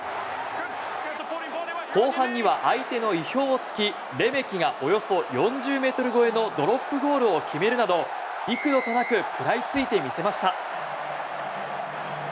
後半には相手の意表を突きレメキがおよそ４０ｍ超えのドロップゴールを決めるなど幾度となく食らいついてみせました。